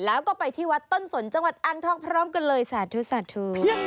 แล้วก็ไปที่วัดต้นสนจังหวัดอ่างทองพร้อมกันเลยสาธุสาธุ